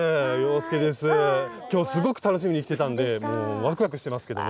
今日すごく楽しみにしてたんでもうワクワクしてますけども。